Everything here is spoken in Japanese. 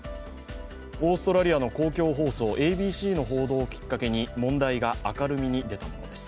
オーストラリアの公共放送ＡＢＣの報道をきっかけに問題が明るみに出たものです。